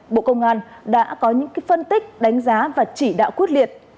bộ công an đã có những phân tích đánh giá và chỉ đạo quyết liệt